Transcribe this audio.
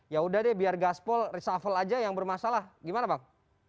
ya udah deh biar gaspol reshuffle aja yang bermasalah gimana bang